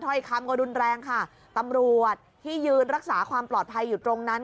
ถ้อยคำก็รุนแรงค่ะตำรวจที่ยืนรักษาความปลอดภัยอยู่ตรงนั้น